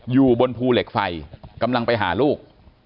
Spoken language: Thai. อยู่บนภูเหล็กไฟกำลังไปหาลูก